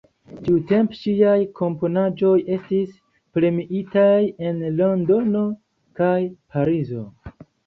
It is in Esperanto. Tiutempe ŝiaj komponaĵoj estis premiitaj en Londono kaj Parizo.